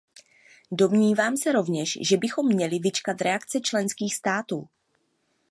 Domnívám se rovněž, že bychom měli vyčkat reakce členských států.